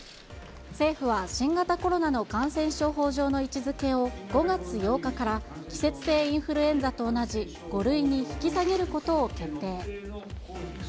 政府は新型コロナの感染症法上の位置づけを、５月８日から、季節性インフルエンザと同じ５類に引き下げることを決定。